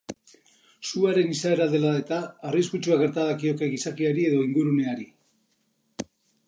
Suaren izaera dela eta, arriskutsua gerta dakioke gizakiari edo inguruneari.